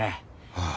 ああ。